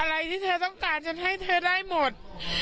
อะไรที่เธอต้องการฉันให้เธอได้หมด